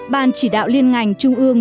ban chỉ đạo liên ngành trung ương